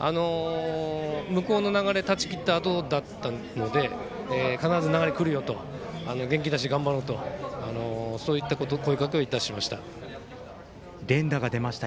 向こうの流れを断ち切ったあとだったので必ず流れが来るよ元気出して頑張ろうという連打が出ました。